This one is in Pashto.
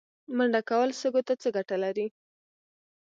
منډه کول سږو ته څه ګټه لري؟